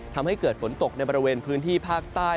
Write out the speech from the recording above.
ทำให้เกิดฝนตกในบริเวณพื้นที่ภาคใต้